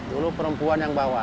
dulu perempuan yang bawa